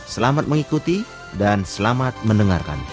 selamat mengikuti dan selamat mendengarkan